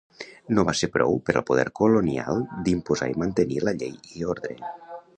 No va ser prou per al poder colonial d'imposar i mantenir la llei i ordre.